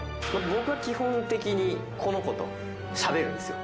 僕は基本的にこの子としゃべるんですよ。